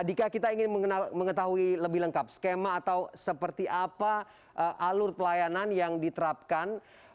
dika kita ingin mengetahui lebih lengkap skema atau seperti apa alur pelayanan yang diterapkan